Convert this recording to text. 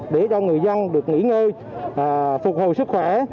để cho người dân được nghỉ ngơi phục hồi sức khỏe